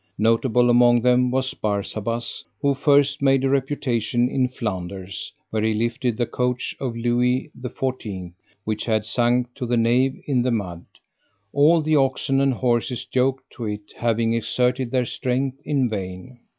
Notable among them was Barsabas, who first made a reputation in Flanders, where he lifted the coach of Louis XIV, which had sunk to the nave in the mud, all the oxen and horses yoked to it having exerted their strength in vain.